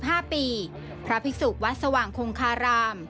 พระภิกษักิราศาสตร์วัดสว่างคลงคาราม